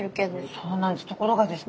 そうなんです。